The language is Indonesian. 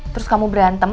terus kamu berantem